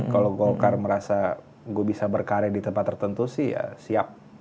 kalau golkar merasa gue bisa berkarya di tempat tertentu sih ya siap